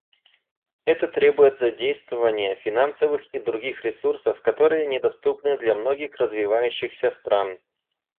Это требует задействования финансовых и других ресурсов, которые недоступны для многих развивающихся стран.